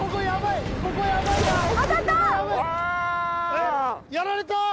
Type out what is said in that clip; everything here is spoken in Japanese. えっやられた？